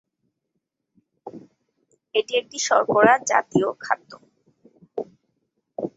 এটি একটি শর্করা জাতীয় খাদ্য।